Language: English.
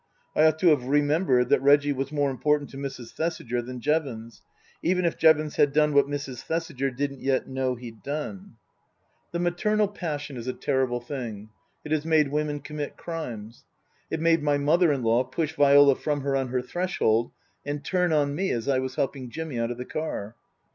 I ought to .have remembered that Reggie was more important to Mrs. Thesiger than Jevons, even if Jevons had done what Mrs. Thesiger didn't yet know he'd done. 329 330 Tasker Jevons The maternal passion is a terrible thing. It has made women commit crimes. It made my mother in law push Viola from her on her threshold and turn on me as I was helping Jimmy out of the car.